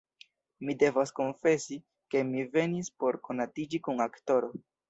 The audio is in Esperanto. Mi devas konfesi, ke mi venis por konatiĝi kun aktoro.